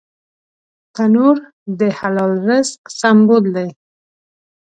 تنور د حلال رزق سمبول دی